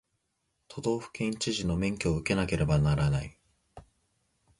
都道府県知事の免許を受けなければならない